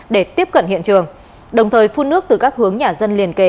để tiếp cận hiện trường đồng thời phun nước từ các hướng nhà dân liền kề